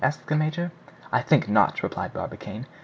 asked the major. "I think not," replied Barbicane.